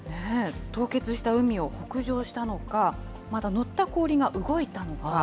凍結した海を北上したのか、また乗った氷が動いたのか。